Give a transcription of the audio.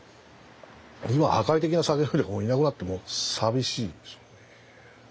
今破壊的な酒飲みがいなくなって寂しいですよね。